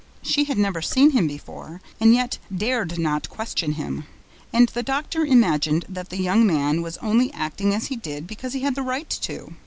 She had never seen him before and yet dared not question him; and the doctor imagined that the young man was only acting as he did because he had the right to.